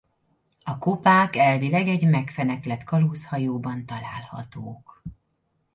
A kupák elvileg egy megfeneklett kalózhajóban találhatók.